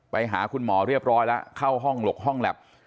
ไปหาคุณหมอเรียบร้อยแล้วเข้าห้องหลบห้องแล็บ